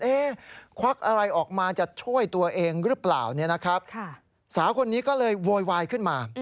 เอ๊ควักอะไรออกมาจะช่วยตัวเองหรือเปล่าสาวคนนี้ก็เลยโวยวายขึ้นมา